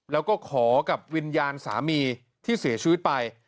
แล้วก็ขอกับวิญญาณสามีที่เสียชีวิตไป